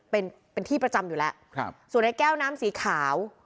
เป็นเป็นที่ประจำอยู่แล้วครับส่วนไอ้แก้วน้ำสีขาว